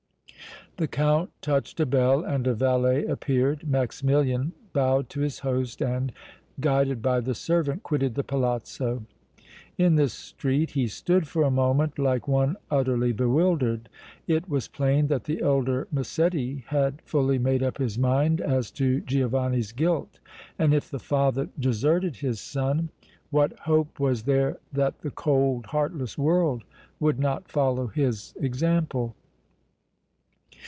The Count touched a bell and a valet appeared. Maximilian bowed to his host and, guided by the servant, quitted the palazzo. In the street he stood for a moment like one utterly bewildered. It was plain that the elder Massetti had fully made up his mind as to Giovanni's guilt, and if the father deserted his son what hope was there that the cold, heartless world would not follow his example?